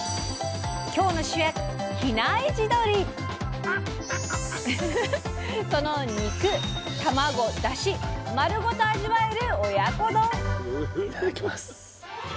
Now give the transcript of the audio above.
今日の主役その肉卵だし丸ごと味わえるいただきます。